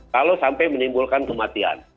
kalau sampai menimbulkan kematian